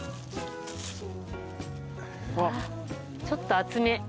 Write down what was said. ちょっと熱め。